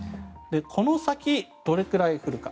この先どれくらい降るか。